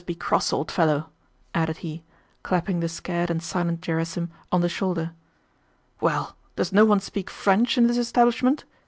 * added he, clapping the scared and silent Gerásim on the shoulder. "Well, does no one speak French in this establishment?"